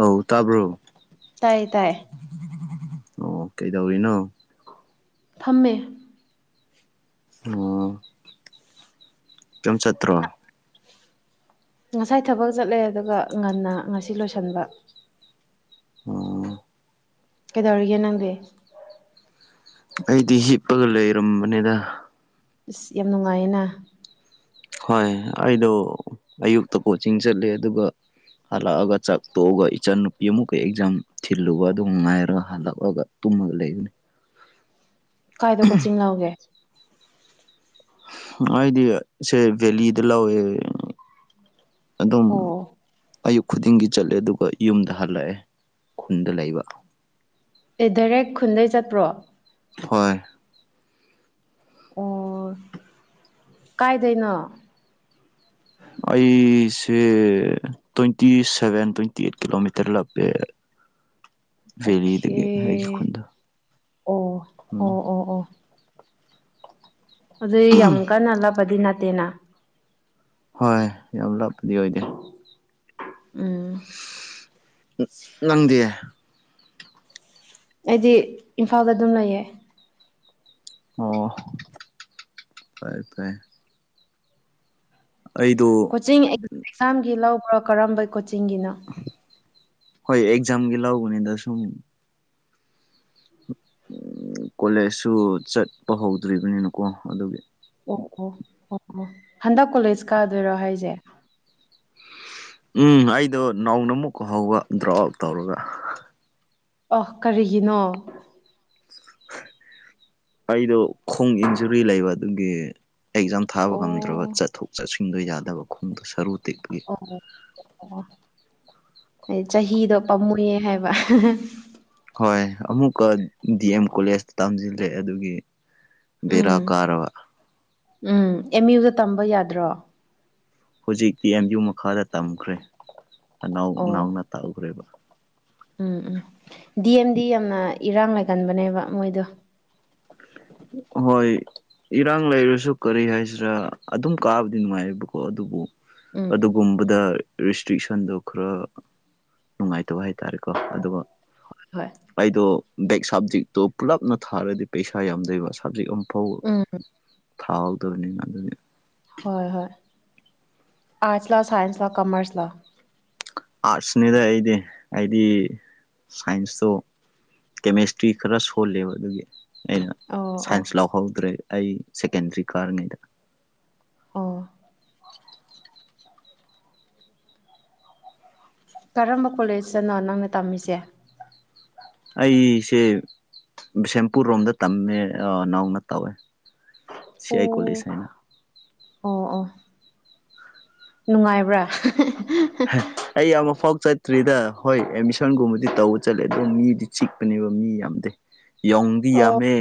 ꯑꯧ ꯇꯥꯕ꯭ꯔꯣ ꯇꯥꯏꯌꯦ ꯇꯥꯏꯌꯦ ꯑꯣ ꯀꯩꯗꯧꯔꯤꯅꯣ ꯐꯝꯃꯦ ꯑꯣ ꯀꯩꯝ ꯆꯠꯇ꯭ꯔꯣ ꯉꯁꯥꯏ ꯊꯕꯛ ꯆꯠꯂꯦ ꯑꯗꯨꯒ ꯉꯟꯅ ꯉꯁꯤ ꯂꯣꯏꯁꯤꯟꯕ ꯎꯝ ꯀꯩꯗꯧꯔꯤꯒꯦ ꯅꯪꯗꯤ ꯑꯩꯗꯤ ꯍꯤꯞꯄꯒ ꯂꯩꯔꯝꯕꯅꯤꯗ ꯑꯁ ꯌꯥꯝ ꯅꯨꯡꯉꯥꯏꯌꯦꯅ ꯍꯣꯏ ꯑꯩꯗꯣ ꯑꯌꯨꯛꯇ ꯀꯣꯆꯤꯡ ꯆꯠꯂꯦ ꯑꯗꯨꯒ ꯍꯜꯂꯛꯑꯒ ꯆꯥꯛ ꯇꯣꯛꯑꯒ ꯏꯆꯟꯅꯨꯄꯤ ꯑꯃꯨꯛꯀ ꯑꯦꯛꯖꯥꯝ ꯊꯤꯜꯂꯨꯕ ꯑꯗꯨ ꯉꯥꯏꯔꯒ ꯍꯜꯂꯛꯑꯒ ꯇꯨꯝꯃꯒ ꯂꯩꯕꯅ‌ꯦ ꯀꯥꯏꯗ ꯀꯣꯆꯤꯡ ꯌꯥꯎꯒꯦ ꯑꯩꯗꯤ ꯁꯦ ꯚꯦꯂꯤꯗ ꯂꯧꯋꯦ ꯑꯗꯨꯝ ꯑꯣ ꯑꯌꯨꯛ ꯈꯨꯗꯤꯡꯒꯤ ꯆꯠꯂꯦ ꯑꯗꯨꯒ ꯌꯨꯝꯗ ꯍꯜꯂꯛꯑꯦ ꯈꯨꯟꯗ ꯂꯩꯕ ꯑꯦ ꯗꯥꯏꯔꯦꯛ ꯈꯨꯟꯗꯩ ꯆꯠꯄ꯭ꯔꯣ ꯍꯣꯏ ꯑꯣ ꯀꯥꯏꯗꯩꯅꯣ ꯑꯩꯁꯦ twenty seven twenty eight kilometre ꯂꯥꯞꯄꯦ ꯚꯦꯂꯤꯗꯒꯤ ꯑꯩꯒꯤ ꯑꯣꯈ‌ꯦ ꯈꯨꯟꯗꯣ ꯑꯣ ꯎꯝ ꯑꯣ ꯑꯣ ꯑꯣ ꯑꯗꯨ ꯌꯥꯝ ꯀꯟꯅ ꯂꯥꯞꯄꯗꯤ ꯅꯠꯇꯦꯅ ꯍꯣꯏ ꯌꯥꯝ ꯂꯥꯞꯄꯗꯤ ꯑꯣꯏꯗꯦ ꯎꯝ ꯎꯪ ꯅꯪꯗꯤ ꯑꯩꯗꯤ ꯏꯝꯐꯥꯜꯗ ꯑꯗꯨꯝ ꯂꯩꯌꯦ ꯑꯣ ꯐꯩꯏ ꯐꯩꯏ ꯑꯩꯗꯣ ꯀꯣꯆꯤꯡ ꯑꯦꯛꯖꯥꯝꯒꯤ ꯂꯧꯕ꯭ꯔꯣ ꯀꯔꯝꯕ ꯀꯣꯆꯤꯡꯒꯤꯅꯣ ꯍꯣꯏ ꯑꯦꯛꯖꯥꯝꯒꯤ ꯂꯧꯕꯅꯤꯗ ꯁꯨꯝ ꯀꯣꯂꯦꯖꯁꯨ ꯆꯠꯄ ꯍꯧꯗ꯭ꯔꯤꯕꯅꯤꯅꯀꯣ ꯑꯗꯨꯒꯤ ꯑꯣ ꯑꯣ ꯑꯣ ꯑꯣ ꯍꯟꯗꯛ ꯀꯣꯂꯦꯖ ꯀꯥꯗꯣꯏꯔꯣ ꯍꯥꯏꯁꯦ ꯎꯝ ꯑꯩꯗꯣ ꯅꯧꯅ ꯑꯃꯨꯛꯀ ꯍꯧꯕ ꯗ꯭ꯔꯣꯞ ꯑꯥꯎꯠ ꯇꯧꯔꯒ ꯑꯍ ꯀꯔꯤꯒꯤꯅꯣ ꯑꯩꯗꯣ ꯈꯣꯡ ꯏꯟꯖꯨꯔꯤ ꯂꯩꯕ ꯑꯗꯨꯒꯤ ꯑꯦꯛꯖꯥꯝ ꯊꯥꯕ ꯉꯝꯗ꯭ꯔꯕ ꯑꯣ ꯆꯠꯊꯣꯛ ꯆꯠꯁꯤꯟꯗꯣ ꯌꯥꯗꯕ ꯈꯣꯡꯗꯣ ꯁꯔꯨ ꯇꯦꯛꯒꯤ ꯑꯣ ꯑꯩ ꯆꯍꯤꯗꯣ ꯄꯥꯝꯃꯨꯌꯦ ꯍꯥꯏꯕ ꯍꯣꯏ ꯑꯃꯨꯛꯀ ꯗꯤ ꯑꯦꯝ ꯀꯣꯂꯦꯖꯇ ꯇꯝꯖꯤꯜꯂ‌ꯦ ꯑꯗꯨꯒꯤ ꯕꯦꯔꯥ ꯎꯝ ꯀꯥꯔꯕ ꯎꯝ ꯑꯦꯝ ꯌꯨꯗ ꯇꯝꯕ ꯌꯥꯗ꯭ꯔꯣ ꯍꯧꯖꯤꯛꯇꯤ ꯑꯦꯝ ꯌꯨ ꯃꯈꯥꯗ ꯇꯝꯈ꯭ꯔꯦ ꯑꯅꯥꯎ ꯑꯣ ꯅꯥꯎꯅ ꯇꯧꯈ꯭ꯔꯦꯕ ꯎꯝ ꯎꯝ ꯗꯤ ꯑꯦꯝꯗꯤ ꯌꯥꯝꯅ ꯏꯔꯥꯡ ꯂꯩꯒꯟꯕꯅꯦꯕ ꯃꯣꯏꯗꯣ ꯍꯣꯏ ꯏꯔꯥꯡ ꯂꯩꯔꯖꯨ ꯀꯔꯤ ꯍꯥꯏꯁꯤꯔꯥ ꯑꯗꯨꯝ ꯀꯥꯕꯗꯤ ꯅꯨꯡꯉꯥꯏꯌꯦꯕꯀꯣ ꯑꯗꯨꯕꯨ ꯎꯝ ꯑꯗꯨꯒꯨꯝꯕꯗ ꯔꯤꯁ ꯏꯁꯇ꯭ꯔꯤꯛꯁꯟꯗꯣ ꯈꯔ ꯅꯨꯡꯉꯥꯏꯇꯕ ꯍꯥꯏꯇꯥꯔꯦꯀꯣ ꯑꯗꯨꯒ ꯍꯣꯏ ꯑꯩꯗꯣ ꯕꯦꯛ ꯁꯕꯖꯦꯛꯇꯣ ꯄꯨꯜꯂꯞꯅ ꯊꯥꯔꯗꯤ ꯄꯩꯁꯥ ꯌꯥꯝ ꯂꯩꯕ ꯁꯕꯖꯦꯛ ꯑꯃ ꯐꯧ ꯎꯝ ꯊꯥꯍꯧꯗꯕꯅꯤꯅ ꯑꯗꯨꯅꯤ ꯍꯣꯏ ꯍꯣꯏ ꯑꯔꯠꯁ ꯂꯑꯣ ꯁꯥꯏꯟꯁ ꯂ ꯀꯃꯔꯁ ꯂꯥꯛ ꯑꯥꯔꯠꯁꯅꯤꯗ ꯑꯩꯗꯤ ꯑꯩꯗꯤ ꯁꯥꯏꯟꯁꯇꯣ ꯀꯦꯃꯦꯁꯇ꯭ꯔꯤ ꯈꯔ ꯁꯣꯜꯂꯦꯕ ꯑꯗꯨꯒꯤ ꯑꯩꯅ ꯑꯣ ꯑꯣ ꯁꯥꯏꯟꯁ ꯂꯥꯎꯍꯧꯗ꯭ꯔꯦ ꯑꯩ ꯁꯦꯀꯦꯟꯗ꯭ꯔꯤ ꯀꯥꯔꯤꯉꯩꯗ ꯑꯣꯥ ꯀꯔꯝꯕ ꯀꯣꯂꯦꯖꯇꯅꯣ ꯅꯪꯅ ꯇꯝꯃꯤꯁꯦ ꯑꯩꯁꯦ ꯕꯤꯁꯦꯝꯄꯨꯔ ꯔꯣꯝꯗ ꯇꯝꯃꯦ ꯅꯧꯅ ꯇꯧꯋꯦ ꯑꯣ ꯁꯤꯌꯥꯥꯏ ꯀꯂꯤꯁꯥꯏꯅ ꯑꯣ ꯑꯣ ꯅꯨꯡꯉꯥꯏꯕ꯭ꯔꯥ [inaudible] ꯑꯩ ꯑꯃ ꯐꯥꯎ ꯆꯠꯇ꯭ꯔꯤꯗ ꯍꯣꯏ ꯑꯦꯗꯃꯤꯁꯟꯒꯨꯝꯕꯗꯤ ꯇꯧꯕ ꯆꯠꯂꯦ ꯑꯗꯨꯗꯣ ꯃꯤꯗꯤ ꯆꯤꯛꯄꯅꯦꯕ ꯃꯤ ꯌꯥꯝꯗꯦ ꯌꯥꯎꯗꯤ ꯑꯣ ꯌꯥꯝꯃꯦ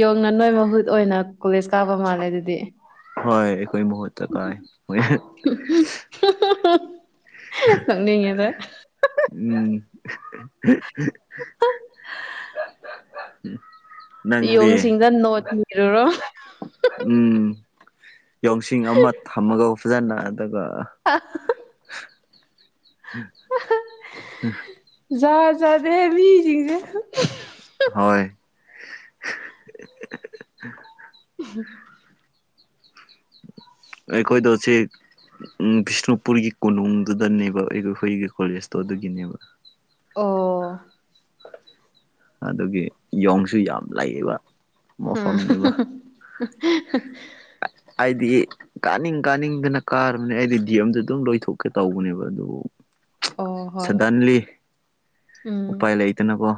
ꯌꯣꯡꯅ ꯅꯣꯏ ꯃꯍꯨꯠ ꯑꯣꯏꯅ ꯀꯣꯂꯦꯖ ꯀꯥꯕ ꯃꯥꯜꯂꯦ ꯑꯗꯨꯗꯤ ꯍꯣꯏ ꯑꯩꯈꯣꯏ ꯃꯍꯨꯠꯇ ꯀꯥꯏ ꯍꯣꯏ ꯁꯝꯉ ꯑꯗ ꯎꯝ ꯅꯪꯗꯤ ꯌꯣꯡ ꯁꯤꯡꯗ ꯅꯣꯠ ꯏꯔꯨꯔꯣ ꯎꯝ ꯌꯥꯣꯡꯁꯤꯡ ꯑꯃ ꯊꯝꯃꯒ ꯐꯖꯅ ꯑꯗꯨꯒ ꯑ [unintelligible] ꯌꯥꯗꯦꯦ ꯃꯤ ꯆꯤꯡꯁꯦ ꯍꯣꯏ ꯎ ꯑꯩꯈꯣꯏꯗ ꯁꯤ ꯎꯝ ꯕꯤꯁꯅꯨꯄꯨꯔꯒꯤ ꯀꯣꯅꯨꯡꯗꯨꯗꯅꯦꯕ ꯑꯩ ꯑꯩꯈꯣꯏꯒꯤ ꯀꯣꯂꯦꯖꯇꯣ ꯑꯗꯨꯒꯤꯅꯦꯕ ꯑꯣ ꯑꯗꯨꯗꯒꯤ ꯌꯣꯡꯁꯨ ꯌꯥꯝ ꯂꯩꯌꯦꯕ ꯃꯐꯝꯅꯦꯕ ꯑ ꯑꯩꯗꯤꯒꯤ ꯀꯥꯅꯤꯡ ꯀꯥꯅꯤꯡꯗꯅ ꯀꯥꯔꯕꯅꯦ ꯑꯩꯗꯤ ꯗꯤ ꯑꯦꯝꯗ ꯑꯗꯨꯝ ꯂꯣꯏꯊꯣꯛꯀꯦ ꯇꯧꯕꯅꯦꯕ ꯑꯗꯨꯕꯨ ꯑꯣ ꯍꯣꯏ ꯍꯣꯏ ꯁꯥꯗꯥꯟꯂꯤ ꯎꯝ ꯎꯄꯥꯏ ꯂꯩꯗꯅꯀꯣ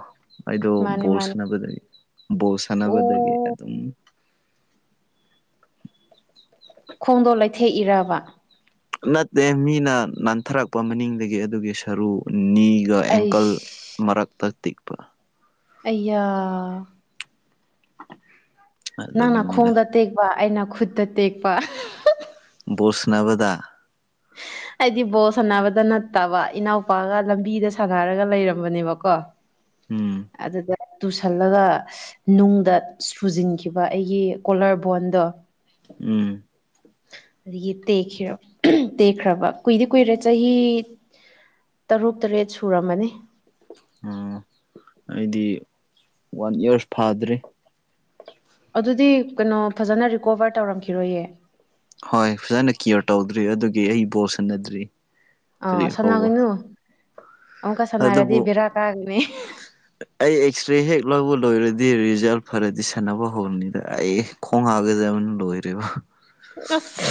ꯑꯩꯗꯣ ꯃꯥꯅꯦ ꯕꯣꯜ ꯃꯥꯅꯦ ꯁꯥꯟꯅꯕꯗꯒꯤ ꯕꯣꯜ ꯁꯥꯟꯅꯕꯗꯒꯤ ꯑꯣ ꯑꯗꯨꯝ ꯈꯣꯡꯗꯣꯜ ꯂꯩꯊꯦꯛ ꯏꯔꯕ ꯅꯠꯇꯦ ꯃꯤꯅ ꯅꯥꯟꯊꯔꯛꯄ ꯃꯅꯤꯡꯗꯒꯤ ꯑꯗꯨꯒꯤ ꯁꯔꯨ ꯅꯤꯒ ꯑꯦꯡꯀꯜ ꯑꯩꯁ ꯃꯔꯛꯇꯛꯇ ꯇꯤꯛꯄ ꯑꯌꯥ ꯅꯪꯅ ꯑꯗꯨꯒꯤꯅꯤꯗ ꯈꯣꯡꯗ ꯇꯦꯛꯄ ꯑꯩꯅ ꯈꯨꯠꯇ ꯇꯦꯛꯄ ꯕꯣꯁꯅꯅꯕꯗꯗꯥ ꯎ ꯍꯥꯏꯗꯤ ꯕꯣꯜ ꯁꯥꯟꯅꯕꯗ ꯅꯠꯇꯕ ꯏꯅꯥꯎꯄꯥꯒ ꯂꯝꯕꯤꯗ ꯁꯥꯟꯅꯔꯒ ꯂꯩꯔꯝꯕꯅꯦꯕꯀꯣ ꯎꯝ ꯑꯗꯨꯗ ꯇꯨꯁꯜꯂꯒ ꯅꯨꯡꯗ ꯁꯨꯖꯤꯟꯈꯤꯕ ꯑꯩꯒꯤ ꯀꯣꯂ ꯕꯣꯟꯗꯣ ꯎꯝ ꯑꯗꯒꯤ ꯇꯦꯛꯔ ꯇꯦꯛꯈ꯭ꯔꯕ ꯀꯨꯏꯗꯤ ꯀꯨꯏꯔꯦ ꯆꯍꯤ ꯇꯔꯨꯛ ꯇꯔꯦꯠ ꯁꯨꯔꯝꯃꯅꯤ ꯎ ꯑꯩꯗꯤ ꯋꯥꯟ ꯏꯌꯥꯔꯁ ꯐꯥꯗ꯭ꯔꯤ ꯑꯗꯨꯗꯤ ꯀꯩꯅꯣ ꯐꯖꯅ ꯔꯤꯀꯣꯕꯔ ꯇꯧꯔꯝꯈꯤꯔꯣꯏꯌꯦ ꯍꯣꯏ ꯐꯖꯅ ꯀꯤꯌꯔ ꯇꯧꯗ꯭ꯔꯤ ꯑꯗꯨꯒꯤ ꯑꯩ ꯕꯣꯜ ꯁꯟꯅꯗ꯭ꯔꯤ ꯑꯥ ꯁꯥꯟꯅꯈꯣꯏꯅꯨ ꯑꯃꯨꯛꯀ ꯁꯥꯟꯅꯔꯗꯤ ꯑꯗꯨꯕꯨ ꯕꯦꯔꯥ ꯀꯥꯒꯣꯏꯅꯦ ꯑꯩ ꯑꯦꯛꯁ ꯔꯦ ꯍꯦꯛ ꯂꯧꯕ ꯂꯣꯏꯔꯗꯤ ꯔꯤꯖꯜ ꯐꯔꯗꯤ ꯁꯥꯟꯅꯕ ꯍꯅꯤꯗ ꯑꯩ ꯈꯣꯡ ꯍꯥꯒꯖꯕꯅꯤ ꯂꯣꯏꯔꯔꯤꯕ ꯑꯁ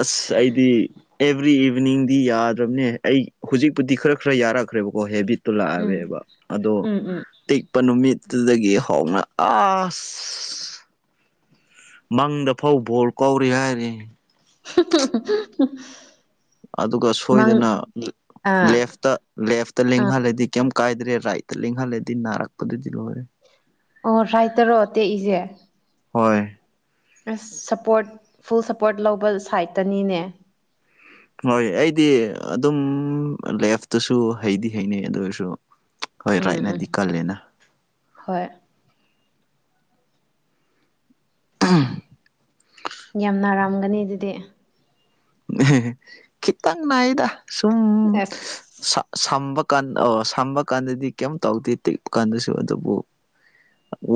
ꯑꯁ ꯑꯩꯗꯤ ꯑꯦꯚ꯭ꯔꯤ ꯏꯚꯤꯅꯤꯡꯗꯤ ꯌꯥꯗ꯭ꯔꯕꯅꯦ ꯑꯩ ꯍꯧꯖꯤꯛꯄꯨꯗꯤ ꯈꯔ ꯈꯔ ꯌꯥꯔꯛꯈ꯭ꯔꯦꯕꯀꯣ ꯍꯦꯕꯤꯠ ꯇꯨ ꯎꯝ ꯂꯥꯛꯑꯕꯕ ꯑꯗꯣ ꯎꯝ ꯎꯝ ꯇꯤꯛ ꯂ ꯅꯨꯃꯤꯠꯇꯨꯗꯒꯤ ꯍꯧꯅ ꯑꯁ ꯃꯪꯗ ꯐꯧ ꯕꯣꯜ ꯀꯧꯔꯤ ꯍꯥꯏꯔꯦ [unintelligible] ꯑꯗꯨꯒ ꯃꯪ ꯁꯣꯏꯗꯅ ꯑꯥ ꯂꯦꯐꯇ ꯂꯦꯐꯇ ꯑꯥ ꯂꯦꯡꯍꯜꯂꯗꯤ ꯀꯩꯝ ꯀꯥꯏꯗ꯭ꯔꯦ ꯔꯥꯏꯠꯇ ꯂꯦꯡꯍꯜꯂꯗꯤ ꯅꯥꯔꯛꯄꯗꯨꯗꯤ ꯂꯣꯏꯔꯦ ꯑꯣ ꯐꯥꯏ ꯇꯔꯛꯑꯣ ꯇꯦꯛꯏꯁꯦ ꯍꯣꯏ ꯑꯁ ꯁꯞꯄꯣꯔꯠ ꯐꯨꯜ ꯁꯞꯄꯣꯔꯠ ꯂꯧꯕ ꯁꯥꯏꯠꯇꯅꯤꯅꯦ ꯍꯣꯏ ꯑꯩꯗꯤ ꯑꯗꯨꯝ ꯂꯦꯐꯇꯁꯨ ꯍꯩꯗꯤ ꯍꯩꯅꯩ ꯑꯗꯨ ꯑꯣꯏꯔꯁꯨ ꯍꯣꯏ ꯎꯝ ꯎꯝ ꯔꯥꯏꯠꯅꯗꯤ ꯀꯜꯂꯦꯅ ꯍꯣꯏ ꯎꯝ ꯌꯥꯝ ꯅꯥꯔꯥꯝꯒꯅꯤ ꯑꯗꯨꯗꯤ ꯑꯦꯍꯦꯍꯦ ꯈꯤꯇꯪ ꯅꯥꯏꯌꯦꯗ ꯁꯨꯝ ꯑꯁ ꯁꯥ ꯁꯥꯝꯕ ꯀꯥꯟ ꯑꯣ ꯁꯥꯝꯕ ꯀꯥꯟꯗꯗꯤ ꯀꯩꯝ ꯇꯧꯗꯦ ꯇꯦꯛꯄ ꯀꯥꯟꯗꯁꯨ ꯑꯗꯨꯕꯨ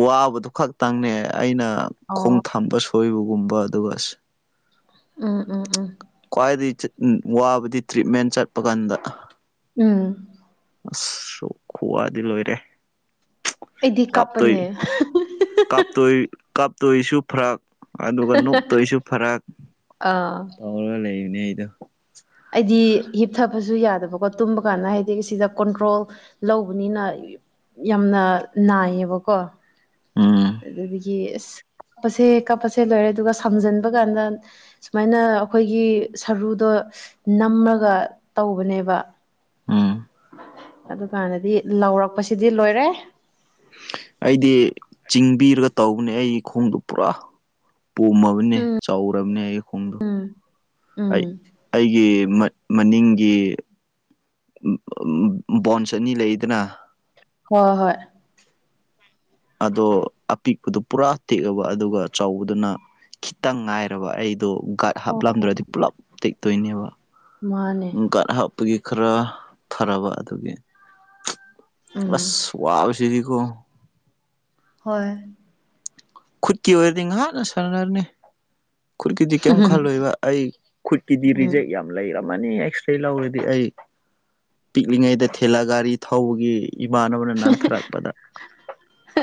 ꯋꯥꯕꯗꯨ ꯈꯛꯇꯪꯅꯦ ꯑꯩꯅ ꯑꯣ ꯈꯣꯡ ꯊꯝꯕ ꯁꯣꯏꯕꯒꯨꯝꯕ ꯑꯗꯨꯒ ꯎꯝ ꯎꯝ ꯎꯝ ꯈ꯭ꯋꯥꯏꯗꯒꯤ ꯋꯥꯕꯗꯤ ꯇ꯭ꯔꯤꯠꯃꯦꯟ ꯆꯠꯄ ꯀꯥꯟꯗ ꯎꯝ ꯑꯁ ꯈꯨꯋꯥꯗꯤ ꯂꯣꯏꯔꯦ ꯑꯩꯗꯤ ꯀꯥꯞꯇꯣꯏ ꯀꯥꯞꯄꯅꯦ ꯀꯥꯞꯇꯣꯏ ꯀꯥꯞꯇꯣꯏꯁꯨ ꯐꯔꯛ ꯑꯗꯨꯒ ꯅꯣꯛꯇꯣꯏꯁꯨ ꯐꯔꯛ ꯑꯥ ꯑꯔ ꯂꯩ ꯏꯅꯦ ꯑꯩꯗ ꯍꯥꯏꯗꯤ ꯍꯤꯞꯊꯕꯁꯨ ꯌꯥꯗꯕꯀꯣ ꯇꯨꯝꯕ ꯀꯥꯟꯗ ꯍꯥꯏꯗꯤ ꯁꯤꯗ ꯀꯣꯟꯇ꯭ꯔꯣꯜ ꯂꯧꯕꯅꯤꯅ ꯌꯥꯝꯅ ꯅꯥꯏꯌꯦꯕꯀꯣ ꯎꯝ ꯑꯗꯨꯗꯒꯤ ꯑꯁ ꯀꯥꯞꯄꯁꯦ ꯀꯥꯞꯄꯁꯦ ꯂꯣꯏꯔꯦ ꯑꯗꯨꯒ ꯁꯝꯖꯟꯕ ꯀꯥꯟꯗ ꯁꯨꯃꯥꯏꯅ ꯑꯩꯈꯣꯏꯒꯤ ꯁꯔꯨꯗꯣ ꯅꯝꯃꯒ ꯇꯧꯕꯅꯦꯕ ꯎꯝ ꯑꯗꯨꯀꯥꯟꯗꯗꯤ ꯂꯥꯎꯔꯛꯄꯁꯤꯗꯤ ꯂꯣꯏꯔꯦ ꯑꯩꯗꯤ ꯆꯤꯡꯕꯤꯔꯒ ꯇꯧꯕꯅꯦ ꯑꯩ ꯈꯣꯡꯗꯣ ꯄꯨꯔꯥ ꯄꯣꯝꯃꯕꯅꯦ ꯎꯝ ꯆꯥꯎꯔꯝꯅꯦ ꯑꯩꯒꯤ ꯈꯣꯡꯗꯣ ꯎꯝ ꯑꯩ ꯑꯩꯒꯤ ꯃ ꯃꯅꯤꯡꯒꯤ ꯕꯣꯟꯁ ꯑꯅꯤ ꯂꯩꯗꯅ ꯍꯣ ꯍꯣꯏ ꯑꯗꯣ ꯑꯄꯤꯛꯄꯗꯣ ꯄꯨꯔꯥ ꯇꯦꯛꯑꯕ ꯑꯗꯨꯒ ꯆꯥꯎꯕꯗꯨꯅ ꯈꯤꯇꯪ ꯉꯥꯏꯔꯕ ꯑꯩꯗꯣ ꯒꯥꯗ ꯑꯣ ꯍꯥꯞꯂꯝꯗ꯭ꯔꯗꯤ ꯄꯨꯂꯞ ꯇꯦꯛꯇꯣꯏꯅꯦꯕ ꯃꯥꯅꯦ ꯀꯥꯔ ꯍꯞꯄꯒꯤ ꯈꯔ ꯐꯔꯕ ꯑꯗꯨꯒꯤ ꯎꯝ ꯑꯥꯁ ꯋꯥꯕꯁꯤꯗꯤꯀꯣ ꯍꯣꯏ ꯈꯨꯠꯀꯤ ꯑꯣꯏꯔꯗꯤ ꯉꯥꯍꯥꯟꯅ ꯁꯥꯟꯅꯔꯅꯤ꯫ ꯈꯨꯠꯀꯤꯗꯤ ꯀꯩꯝ ꯎꯝ ꯈꯜꯂꯣꯏꯕ ꯑꯩ ꯈꯨꯠꯀꯤꯗꯤ ꯔꯤꯖꯦꯛ ꯌꯥꯝ ꯂꯩꯔꯝꯃꯅꯤ ꯑꯦꯛꯁꯔꯦ ꯂꯧꯔꯗꯤ ꯑꯩ ꯄꯤꯛꯂꯤꯉꯩꯗ ꯊꯦꯂꯥ ꯒꯥꯔꯤ ꯊꯧꯕꯒꯤ ꯏꯃꯥꯟꯅꯕꯅ ꯅꯥꯟꯊꯔꯛꯄꯗ ꯍꯥ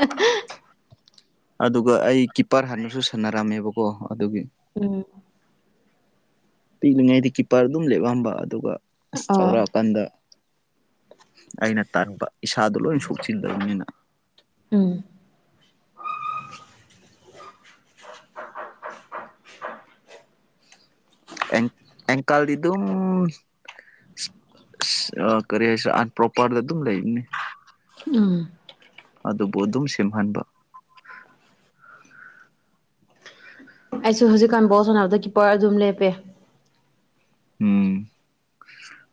ꯑꯗꯨꯒ ꯑꯩ ꯀꯤꯞꯄꯔ ꯍꯥꯟꯅꯁꯨ ꯁꯥꯟꯅꯔꯝꯃꯦꯕꯀꯣ ꯑꯗꯨꯒꯤ ꯎꯝ ꯄꯤꯛꯂꯤꯉꯩꯗꯤ ꯀꯤꯞꯄꯔ ꯑꯗꯨꯝ ꯂꯦꯞꯑꯝꯕ ꯑꯗꯨꯒ ꯑꯁ ꯑ ꯆꯥꯎꯔꯑꯀꯥꯟꯗ ꯑꯩꯅ ꯇꯥꯔꯨꯕ ꯏꯁꯥꯗꯣ ꯂꯣꯏ ꯁꯣꯛꯆꯤꯟꯗꯧꯔꯤꯃꯤꯅ ꯎꯝ ꯑꯦꯡ ꯑꯦꯡꯀꯜꯗꯤ ꯗꯨꯝ ꯑꯥ ꯀꯔꯤ ꯍꯥꯏꯁꯦ ꯑꯟꯄꯣꯄꯔꯗ ꯗꯨꯝ ꯂꯩꯔꯤꯅꯦ ꯎꯝ ꯑꯗꯨꯕꯨ ꯑꯗꯨꯝ ꯁꯦꯝꯍꯟꯕ ꯑꯩꯁꯨ ꯍꯧꯖꯤꯛꯀꯥꯟ ꯕꯣꯜ ꯁꯅꯕꯗ ꯀꯤꯞꯄꯔ ꯑꯗꯨꯝ ꯂꯦꯞꯄꯦ꯫ ꯎꯝ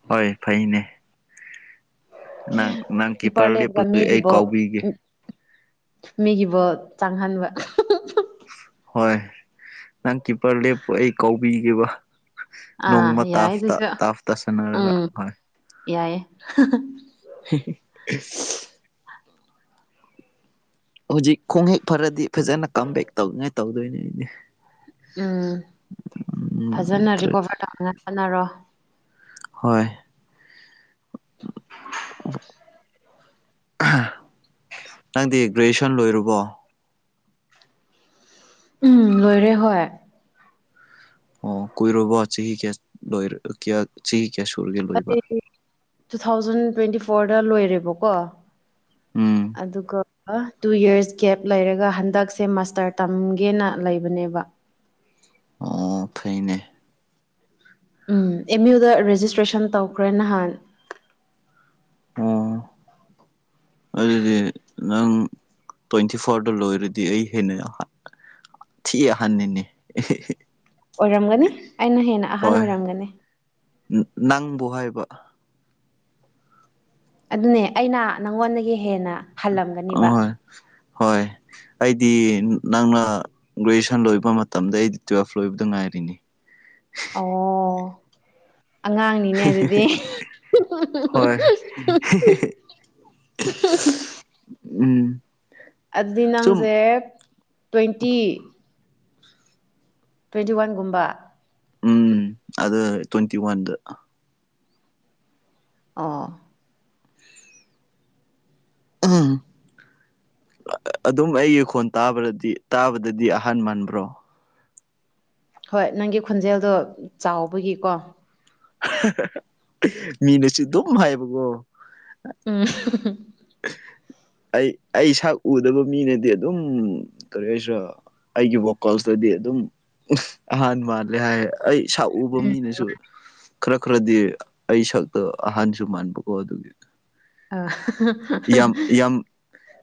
ꯍꯣꯏ ꯐꯩꯅꯦ ꯅꯪ ꯅꯪ ꯀꯤꯄꯔ ꯀꯤꯞꯄꯔ ꯂꯦꯞꯄꯒ ꯂꯦꯞꯄꯒꯤ ꯃꯤꯒꯤ ꯑꯩ ꯕꯣꯜ ꯀꯥꯎꯕꯤꯒꯦ ꯎꯝ ꯃꯤꯒꯤ ꯕꯣꯜ ꯆꯥꯡꯍꯟꯕ ꯍꯣꯏ ꯅꯪ ꯀꯤꯞꯄꯔ ꯂꯦꯞꯄꯨ ꯑꯩ ꯀꯧꯕꯤꯒꯦꯕ ꯑꯥ ꯅꯣꯡꯃ ꯌꯥꯏ ꯇꯥꯞꯇ ꯑꯗꯨꯁꯨ ꯇꯥꯞꯇ ꯁꯟꯅꯔꯒ ꯎꯝ ꯍꯣꯏ ꯌꯥꯏꯌꯦ ꯍꯥꯍꯥ ꯍꯩꯍꯩ ꯍꯧꯖꯤꯛ ꯈꯣꯡ ꯍꯦꯛ ꯐꯔꯗꯤ ꯐꯖꯅ ꯀꯝꯕꯦꯛ ꯇꯧꯅꯤꯡꯉꯥꯏ ꯇꯧꯗꯣꯏꯅꯦ ꯑꯩꯗꯤ ꯎꯝ ꯎꯝ ꯐꯖꯅ ꯅꯠꯇ꯭ꯔꯗꯤ ꯔꯤꯀꯣꯚꯔ ꯇꯧꯅꯉꯥꯏ ꯍꯣꯠꯅꯔꯣ ꯍꯣꯏ ꯅꯪꯗꯤ ꯒ꯭ꯔꯦꯖꯨꯁꯟ ꯂꯣꯏꯔꯕꯣ ꯎꯝ ꯂꯣꯏꯔꯦ ꯍꯣꯏ ꯑꯣ ꯀꯨꯏꯔꯕꯣ ꯆꯍꯤ ꯀꯌꯥ ꯂꯣꯢꯔ ꯀꯌꯥ ꯆꯍꯤ ꯀꯌꯥ ꯁꯨꯔꯒꯦ ꯂꯣꯏꯕ ꯑꯩ ꯇꯨ ꯊꯥꯎꯖꯟ ꯇ꯭ꯋꯦꯟꯇꯤ ꯐꯣꯔꯗ ꯂꯣꯏꯔꯦꯕꯀꯣ ꯎꯝ ꯑꯗꯨꯒ ꯇꯨ ꯌꯔꯁ ꯒꯦꯞ ꯂꯩꯔꯒ ꯍꯟꯗꯛꯁꯦ ꯃꯥꯁꯇꯔ ꯇꯝꯒꯦꯅ ꯂꯩꯕꯅꯦꯕ ꯑꯣ ꯐꯩꯅꯦ ꯎꯝ ꯑꯦꯝ ꯌꯨꯗ ꯔꯦꯖꯤꯁꯇ꯭ꯔꯦꯁꯟ ꯇꯧꯈ꯭ꯔꯦ ꯅꯍꯥꯟ ꯑꯣ 'inaudible' ꯑꯗꯨꯗꯤ ꯅꯪ ꯇꯣꯟꯏꯇꯤ ꯐꯣꯔꯗ ꯂꯣꯏꯔꯗꯤ ꯑꯩ ꯍꯦꯟꯅ ꯊꯤ ꯑꯍꯟꯅꯤꯅꯦ ꯑꯦꯍꯩꯍꯩ ꯑꯣꯏꯔꯝꯒꯅꯤ ꯑꯩꯅ ꯍꯦꯟꯅ ꯑꯍꯟ ꯍꯣꯏ ꯑꯣꯏꯔꯝꯒꯅꯤ ꯅꯪꯕꯨ ꯍꯥꯏꯕ ꯑꯗꯨꯅꯦ ꯑꯩꯅ ꯅꯪꯉꯣꯟꯗꯒꯤ ꯍꯦꯟꯅ ꯍꯜꯂꯝ ꯑꯍꯣꯏ ꯍꯣꯏ ꯑꯩꯗꯤ ꯅꯪꯅ ꯒ꯭ꯔꯦꯖꯨꯑꯦꯁꯟ ꯂꯣꯏꯕ ꯃꯇꯝꯗ ꯑꯩꯗꯤ ꯇꯨꯋꯦꯜꯐ ꯂꯣꯏꯕꯗ ꯉꯥꯏꯔꯤꯅꯤ ꯑꯣ ꯑꯉꯥꯡꯅꯤꯅꯦ ꯑꯗꯨꯗꯤ ꯍꯣꯏ [unintelligible] [unintelligible] ꯎꯝ ꯑꯗꯨꯗꯤ ꯁꯨꯝ ꯅꯪꯁꯦ ꯇꯣꯟꯏꯇꯤ ꯇꯣꯟꯏꯇꯤꯋꯥꯟꯒꯨꯝꯕ ꯎꯝ ꯑꯗ ꯇꯣꯟꯏꯇꯤꯋꯥꯟꯗ ꯑꯣ ꯎꯝ ꯑꯗꯨꯝ ꯑꯩꯒꯤ ꯈꯣꯟ ꯇꯥꯕꯗꯗꯤ ꯇꯥꯕꯗꯗꯤ ꯑꯍꯟ ꯃꯥꯟꯕ꯭ꯔꯣ ꯍꯣꯏ ꯅꯪꯒꯤ ꯈꯣꯟꯖꯦꯜꯗꯣ ꯆꯥꯎꯕꯒꯤꯀꯣ [unintelligible] ꯃꯤꯅꯁꯨ ꯑꯗꯨꯝ ꯍꯥꯏꯌꯦꯕꯀꯣ ꯎꯝ ꯑꯩ ꯑꯩ ꯁꯛ ꯎꯗꯕ ꯃꯤꯅꯗꯤ ꯑꯗꯨꯝ ꯀꯔꯤ ꯍꯥꯏꯁꯤꯔ ꯑꯩꯒꯤ ꯕꯣꯀꯜꯁꯇꯗꯤ ꯑꯗꯨꯝ ꯑꯍꯥꯟ ꯃꯥꯜꯂꯦ ꯍꯥꯏ ꯑꯩ ꯁꯛꯎꯕ ꯃꯤꯅꯁꯨ ꯈꯔ ꯈꯔꯗꯤ ꯑꯩ ꯁꯛꯇꯣ ꯑꯍꯟꯁꯨ ꯃꯥꯟꯕꯀꯣ ꯑꯗꯨꯒꯤ ꯑ ꯌꯥꯝ ꯌꯥꯝ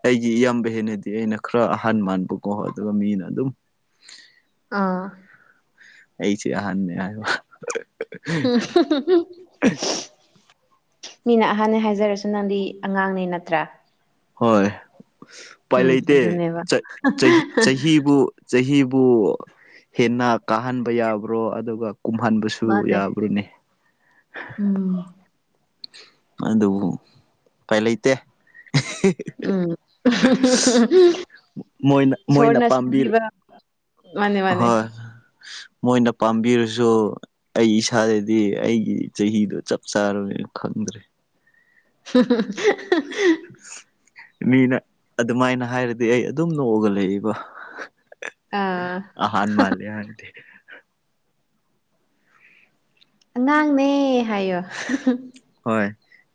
ꯑꯩꯒꯤ ꯏꯌꯥꯝꯕ ꯍꯦꯟꯅꯗꯤ ꯑꯩꯅ ꯈꯔ ꯑꯍꯟ ꯃꯥꯟꯕꯀꯣ ꯑꯗꯨꯒ ꯃꯤꯅ ꯑꯗꯨꯝ ꯑꯥ ꯑꯩꯁꯤ ꯑꯍꯟꯅꯦ ꯍꯥꯏꯕ [unintelligible] ꯃꯤꯅ ꯑꯍꯟꯅꯦ ꯍꯥꯏꯖꯔꯁꯨ ꯅꯪꯗꯤ ꯑꯉꯥꯡꯅꯦ ꯅꯠꯇ꯭ꯔꯥ ꯍꯣꯏ ꯎꯄꯥꯏ ꯎꯝ ꯂꯩꯇꯦ ꯑꯗꯨꯅꯦꯕ ꯆ ꯆꯍꯤ ꯆꯍꯤꯕꯨ ꯆꯍꯤꯕꯨ ꯍꯦꯟꯅ ꯀꯥꯍꯟꯕ ꯌꯥꯕ꯭ꯔꯣ ꯑꯗꯨꯒ ꯀꯨꯝꯍꯟꯕꯁꯨ ꯃꯥꯅꯦ ꯌꯥꯕ꯭ꯔꯣꯅꯦ ꯎꯝ ꯑꯗꯨꯕꯨ ꯎꯄꯥꯏ ꯂꯩꯇꯦ ꯎꯝ [unintelligible] ꯃꯣꯏꯅ ꯃꯣꯏꯅ ꯏꯁꯣꯔꯅ ꯄꯥꯝꯕꯤ ꯁꯤꯟꯕꯤꯕ ꯍꯣꯏ ꯃꯣꯏꯅ ꯄꯥꯝꯕꯤꯔꯁꯨ ꯑꯩ ꯏꯁꯥꯗꯗꯤ ꯑꯩꯒꯤ ꯆꯍꯤꯗꯣ ꯆꯞ ꯆꯥꯔ [unintelligible] ꯈꯪꯗ꯭ꯔꯦ [unintelligible] ꯃꯤꯅ ꯑꯗꯨꯃꯥꯏꯅ ꯍꯥꯏꯔꯗꯤ ꯑꯩ ꯑꯗꯨꯝ ꯅꯣꯛꯑꯒ ꯂꯩꯕ ꯑꯥ ꯑꯍꯥꯟ ꯃꯥꯂꯦ [unintelligible] ꯑꯉꯥꯡꯅꯦ ꯍꯥꯏꯌꯣ ꯍꯣꯏ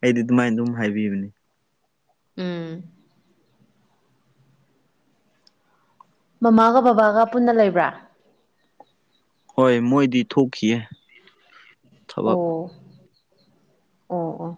ꯑꯩꯗꯤ ꯑꯗꯨꯃꯥꯏꯅ ꯑꯗꯨꯝ ꯍꯥꯏꯕꯤꯕꯅꯤ ꯎꯝ ꯃꯃꯥꯒ ꯕꯕꯥꯒ ꯄꯨꯟꯅ ꯂꯩꯕ꯭ꯔꯥ ꯍꯣꯏ ꯃꯣꯏꯗꯤ ꯊꯣꯛꯈꯤꯌꯦ ꯊꯕꯛ ꯑꯣ ꯑꯣ ꯑꯣ